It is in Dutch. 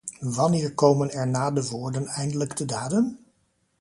Wanneer komen na de woorden eindelijk de daden?